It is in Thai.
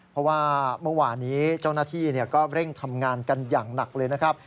เพราะว่าเมื่อวานนี้เจ้าหน้าที่ก็เร่งทำงานกันอย่างหนักเลยนะครับ